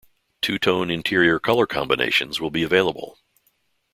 Two-tone interior color combinations will be available.